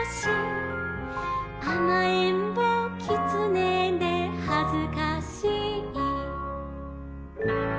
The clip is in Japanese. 「あまえんぼキツネではずかしい」